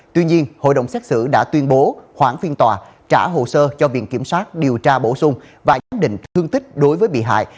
tuy nhiên hội đồng xét xử đã tuyên bố khoảng phiên tòa trả hồ sơ cho viện kiểm sát điều tra bổ sung và giám định thương tích đối với bị hại